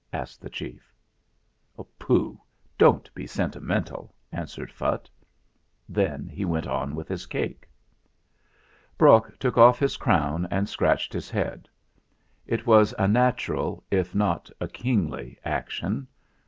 asked the chief. "Pooh! Don't be sentimental!" answered Phutt. Then he went on with his cake. Brok took off his crown and scratched his head. It was a natural, if not a kingly, action.